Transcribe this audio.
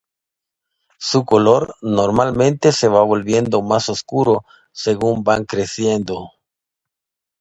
Su color normalmente se va volviendo más oscuro según van creciendo.